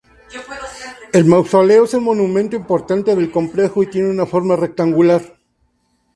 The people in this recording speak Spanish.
El mausoleo es el monumento importante del complejo y tiene una forma rectangular.